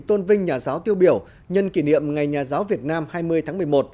tôn vinh nhà giáo tiêu biểu nhân kỷ niệm ngày nhà giáo việt nam hai mươi tháng một mươi một